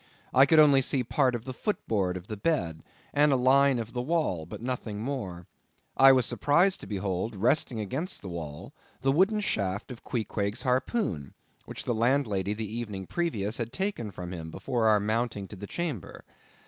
I could only see part of the foot board of the bed and a line of the wall, but nothing more. I was surprised to behold resting against the wall the wooden shaft of Queequeg's harpoon, which the landlady the evening previous had taken from him, before our mounting to the chamber.